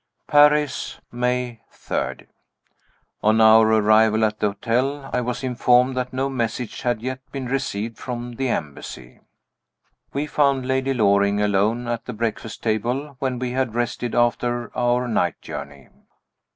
Paris, May 3. On our arrival at the hotel I was informed that no message had yet been received from the Embassy. We found Lady Loring alone at the breakfast table, when we had rested after our night journey.